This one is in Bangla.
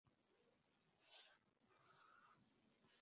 যথার্থ বিজ্ঞান আমাদের সাবধানে চলিতে বলে।